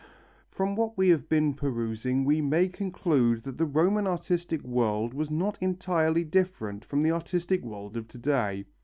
From what we have been perusing we may conclude that the Roman artistic world was not entirely different from the artistic world of to day.